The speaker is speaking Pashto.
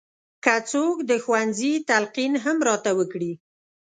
که څوک د ښوونځي تلقین هم راته وکړي.